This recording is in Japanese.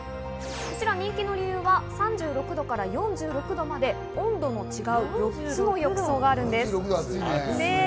人気の理由は３６度から４６度まで、温度の違う４つの浴槽があるんです。